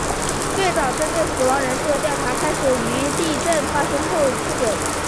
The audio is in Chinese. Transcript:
最早针对死亡人数的调查开始于地震发生后不久。